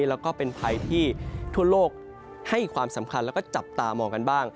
แล้วก็เป็นภัยที่ทั่วโลกให้ความสำคัญแล้วก็จับตามองกันบ้าง